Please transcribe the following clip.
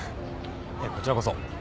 いえこちらこそ。